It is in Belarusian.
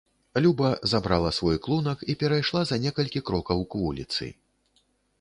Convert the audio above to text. Люба забрала свой клунак і перайшла за некалькі крокаў к вуліцы.